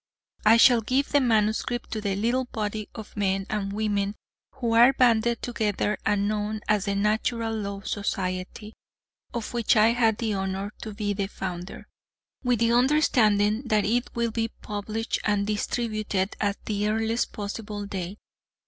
I shall give the manuscript to the little body of men and women who are banded together and known as the Natural Law Society, of which I had the honor to be the founder, with the understanding that it will be published and distributed at the earliest possible date.